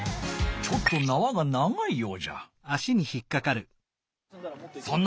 ちょっとなわが長いようじゃ。